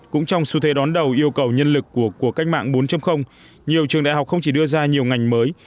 cũng trong xu thế đón đầu yêu cầu nhân lực của cuộc cách mạng bốn nhiều trường đại học không chỉ đưa ra nhiều ngành mới